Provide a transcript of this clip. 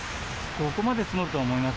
ここまで積もるとは思いませ